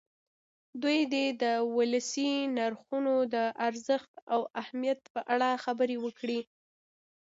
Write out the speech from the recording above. دوی دې د ولسي نرخونو د ارزښت او اهمیت په اړه خبرې وکړي.